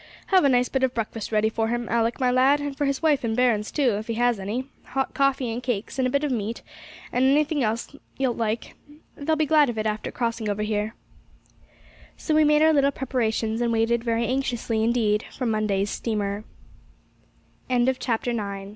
Have a nice bit of breakfast ready for him, Alick, my lad, and for his wife and bairns too, if he has any hot coffee and cakes, and a bit of meat, and any thing else you like; they'll be glad of it after crossing over here.' So we made our little preparations, and waited very anxiously indeed for Monday's Steamer. CHAPTER X. OUR NEW NEIGHBOUR.